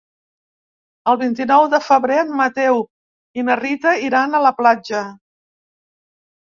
El vint-i-nou de febrer en Mateu i na Rita iran a la platja.